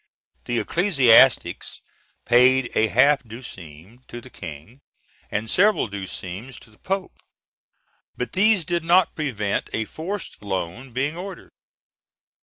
The ecclesiastics paid a half décime to the King, and several décimes to the Pope, but these did not prevent a forced loan being ordered.